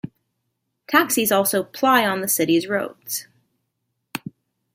Taxis also ply on the city's roads.